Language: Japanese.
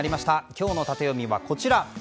今日のタテヨミはこちら。